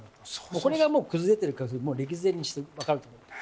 これがもう崩れてるか歴然にして分かると思います。